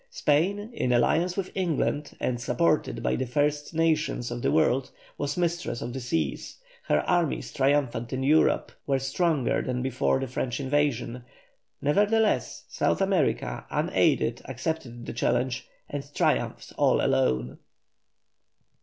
Spain in alliance with England and supported by the first nations of the world, was mistress of the seas, her armies triumphant in Europe, were stronger than before the French invasion, nevertheless South America unaided accepted the challenge, and triumphed all alone.